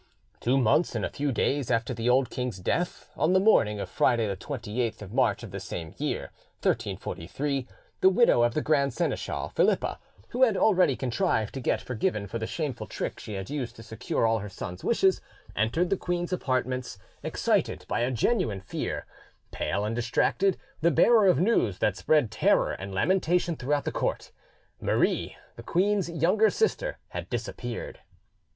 Two months and a few days after the old king's death, on the morning of Friday the 28th of March of the same year, 1343, the widow of the grand seneschal, Philippa, who, had already contrived to get forgiven for the shameful trick she had used to secure all her son's wishes, entered the queen's apartments, excited by a genuine fear, pale and distracted, the bearer of news that spread terror and lamentation throughout the court: Marie, the queen's younger sister, had disappeared.